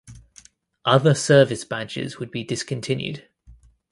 Other service badges would be discontinued.